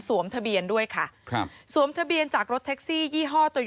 สวมทะเบียนด้วยค่ะครับสวมทะเบียนจากรถแท็กซี่ยี่ห้อ